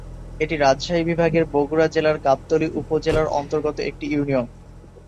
এটি রাজশাহী বিভাগের বগুড়া জেলার গাবতলী উপজেলার অন্তর্গত একটি ইউনিয়ন।